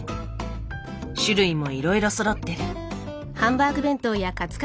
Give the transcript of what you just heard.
種類もいろいろそろってる。